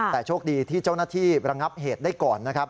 แต่โชคดีที่เจ้าหน้าที่ระงับเหตุได้ก่อนนะครับ